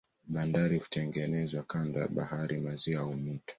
Bandari hutengenezwa kando ya bahari, maziwa au mito.